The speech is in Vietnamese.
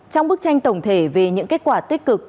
trong bức tranh tổng thể về những kết quả tích cực